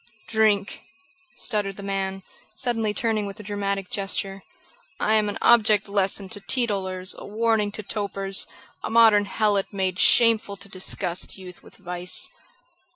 "Drink!" stuttered the man, suddenly turning with a dramatic gesture. "I am an object lesson to teetotalers; a warning to topers; a modern helot made shameful to disgust youth with vice."